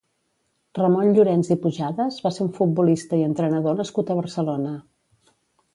Ramon Llorens i Pujadas va ser un futbolista i entrenador nascut a Barcelona.